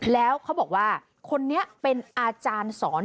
แล้วเขาบอกว่าคนนี้เป็นอาจารย์สอน